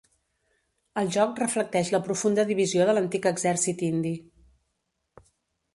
El joc reflecteix la profunda divisió de l'antic exèrcit indi.